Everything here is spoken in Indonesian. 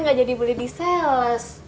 nggak jadi beli di sales